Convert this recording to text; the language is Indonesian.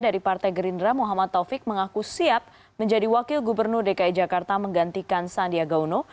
dari partai gerindra muhammad taufik mengaku siap menjadi wakil gubernur dki jakarta menggantikan sandiaga uno